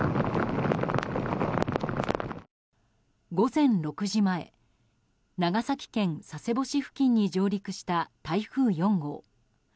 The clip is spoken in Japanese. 午前６時前長崎県佐世保市付近に上陸した台風４号。